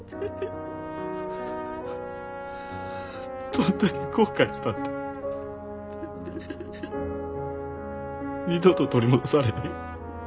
どんだけ後悔したって二度と取り戻されへん。